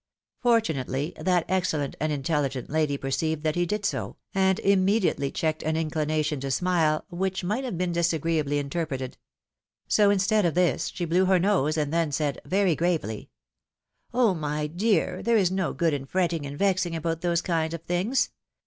Fortunately, that excellent and intelligent lady perceived that hfe did so, and immediately checked an inclination to smile, which might have been dis agreeably interpreted. So instead of this, she blew her nose, and then said, very gravely, "Oh! my dear, there is no good in fretting and vexing about those kind of things.